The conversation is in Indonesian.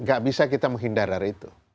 gak bisa kita menghindar dari itu